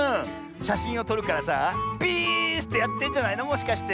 しゃしんをとるからさピース！ってやってんじゃないのもしかして。